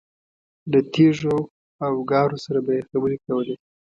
له تیږو او ګارو سره به یې خبرې کولې.